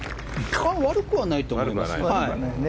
悪くはないと思いますね。